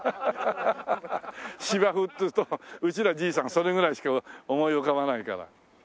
芝生っていうとうちらじいさんはそれぐらいしか思い浮かばないから。